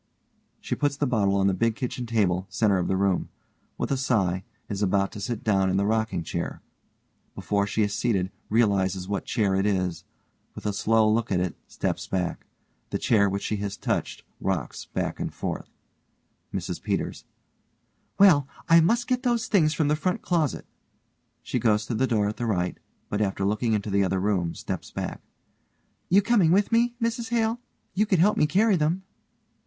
(_She puts the bottle on the big kitchen table, center of the room. With a sigh, is about to sit down in the rocking chair. Before she is seated realizes what chair it is; with a slow look at it, steps back. The chair which she has touched rocks back and forth_.) MRS PETERS: Well, I must get those things from the front room closet, (she goes to the door at the right, but after looking into the other room, steps back) You coming with me, Mrs Hale? You could help me carry them.